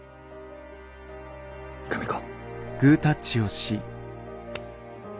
久美子。